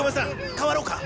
代わろうか？